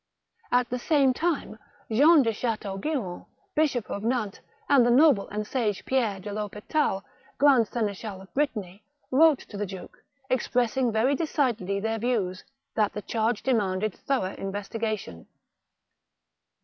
At the same time Jean de Chateaugiron, bishop of Nantes, and the noble and sage Pierre de THospital, grand seneschal of Brittany, wrote to the duke, expressing very decidedly their views, that the charge demanded thorough inves tigation.